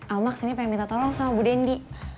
alma kesini pengen minta tolong sama bu dendi